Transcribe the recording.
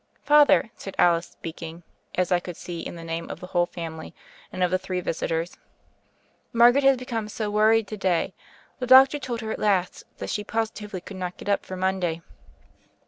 "Father," said Alice speaking, as I could see, in the name of the whole family and of the three visitors, "Margaret has become so worried to day. The doctor told her at last that she posi tively could not get up for Monday."